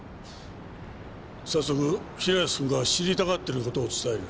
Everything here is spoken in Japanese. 早速平安くんが知りたがってる事を伝える。